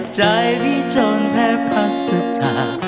ใจพี่จนแทบภาษฎา